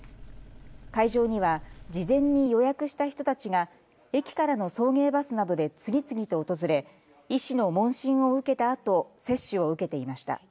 会場には事前に予約した人たちが駅からの送迎バスなどで次々と訪れ医師の問診を受けたあと接種を受けていました。